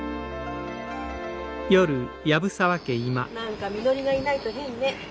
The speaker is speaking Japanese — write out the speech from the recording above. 何かみのりがいないと変ね。